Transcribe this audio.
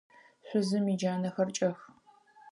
Шъузым иджанэхэр кӏэх.